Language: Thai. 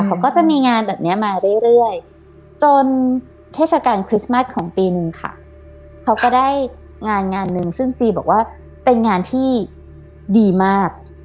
เขาก็จะมีงานแบบนี้มาเรื่อยจนเทศกาลคริสต์มัสของปีนึงค่ะเขาก็ได้งานงานหนึ่งซึ่งจีบอกว่าเป็นงานที่ดีมาก